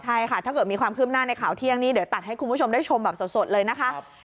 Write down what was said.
ใช่ค่ะถ้าเกิดมีความคืบหน้าในข่าวเที่ยงนี้เดี๋ยวตัดให้คุณผู้ชมได้ชมแบบสดเลยนะคะ